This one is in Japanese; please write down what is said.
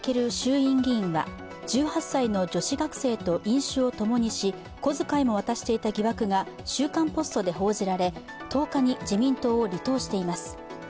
飲酒を共にし小遣いも渡していた疑惑が「週刊ポスト」で報じられ１０日に自民党を離党しています。